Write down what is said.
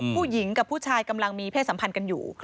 ผู้หญิงกับผู้ชายกำลังมีเพศสัมพันธ์กันอยู่